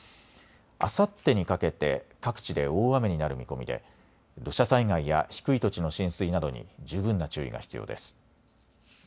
あさってにかけて各地で大雨になる見込みで土砂災害や低い土地の浸水などに十分な注意が必要です。